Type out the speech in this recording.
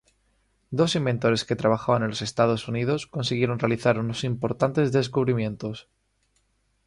Dos inventores que trabajaban en los Estados Unidos consiguieron realizar unos importantes descubrimientos.